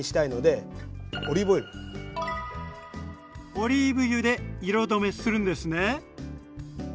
オリーブ油で色止めするんですね。